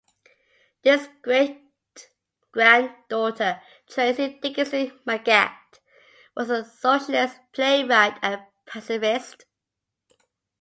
His great-granddaughter Tracy Dickinson Mygatt was a Socialist playwright and pacifist.